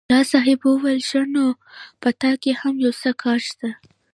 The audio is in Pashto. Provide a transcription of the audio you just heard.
ملا صاحب وویل ښه! نو په تا کې هم یو څه کار شته.